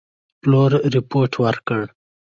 پلور رپوټ ورکړ.